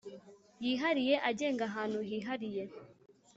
yihariye agenga ahantu hihariye